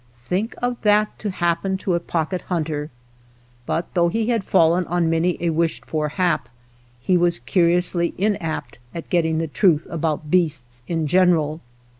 Think of that to hap pen to a Pocket Hunter! But though he had fallen on many a wished for hap, he was curiously inapt at getting the truth about beasts in general.